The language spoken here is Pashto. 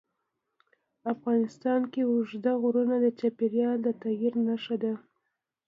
افغانستان کې اوږده غرونه د چاپېریال د تغیر نښه ده.